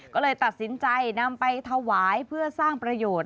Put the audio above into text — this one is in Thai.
ก็เลยตัดสินใจนำไปถวายเพื่อสร้างประโยชน์